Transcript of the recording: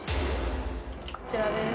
こちらです。